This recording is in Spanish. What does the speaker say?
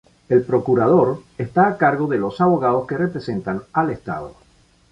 El procurador está a cargo de los abogados que representan al estado.